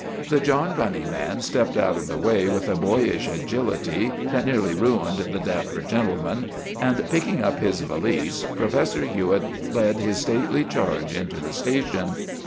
The John Bunny man stepped out of the way with a boyish agility that nearly ruined the dap per gentleman, and picking up his valise Professor Hewitt led his stately charge into the station.